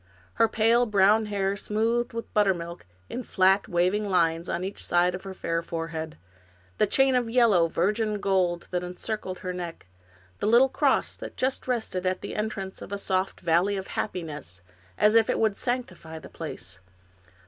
Her pale brown hair smoothed with buttermilk in flat, waving lines on each side of her fair forehead. The chain of yellow, virgin gold that encircled her neck; the little cross that just rested at the entrance of a soft valley of happiness, as if it would sanctify the place.